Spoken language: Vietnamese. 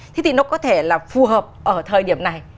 thế thì nó có thể là phù hợp ở thời điểm này